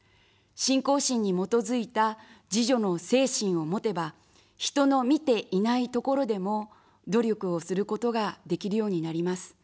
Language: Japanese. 信仰心に基づいた自助の精神を持てば、人の見ていないところでも努力をすることができるようになります。